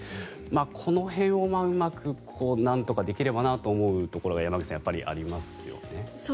この辺をうまくなんとかできればなと思うところが山口さん、やっぱりありますよね。